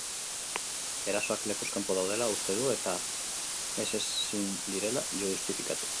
Erasoak lekuz kanpo daudela uste du, eta ez ezin direla justifikatu.